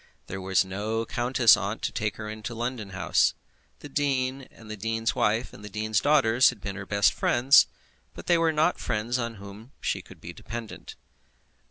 There was no countess aunt to take her into her London house. The dean and the dean's wife and the dean's daughters had been her best friends, but they were not friends on whom she could be dependent.